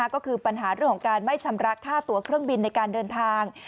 ก็คือปัญหาเรื่องของการไม่ชำระค่าตัวเครื่องบินในการเดินทาง